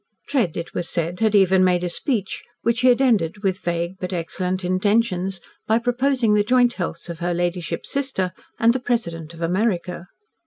Tread, it was said, had even made a speech which he had ended with vague but excellent intentions by proposing the joint healths of her ladyship's sister and the "President of America."